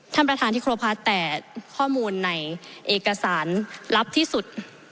ท่านประธานที่ครบค่ะแต่ข้อมูลในเอกสารลับที่สุด